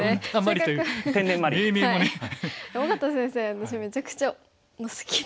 私めちゃくちゃ好きで。